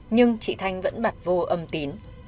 nhưng chị thanh vẫn bặt vô âm tín